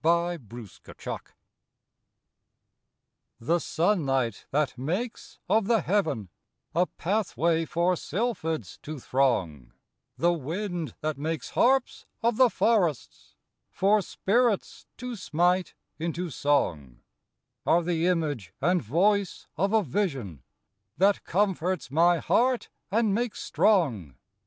CLAIRVOYANCE The sunlight that makes of the heaven A pathway for sylphids to throng; The wind that makes harps of the forests For spirits to smite into song, Are the image and voice of a vision That comforts my heart and makes strong.